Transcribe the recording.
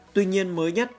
tuy nhiên mới nhất